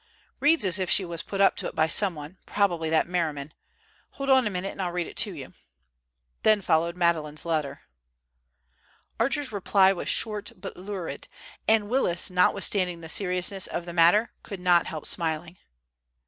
Reads as if she was put up to it by someone, probably that —— Merriman. Hold on a minute and I'll read it to you." Then followed Madeleine's letter. Archer's reply was short but lurid, and Willis, not withstanding the seriousness of the matter, could not help smiling.